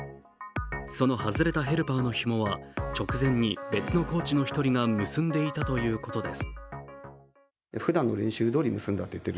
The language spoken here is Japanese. その外れたヘルパ−のひもは直前に別のコーチの１人が結んでいたということです。